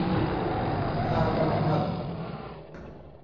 ทางกรรมพันธุ์